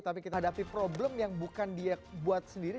tapi kita hadapi problem yang bukan dia buat sendiri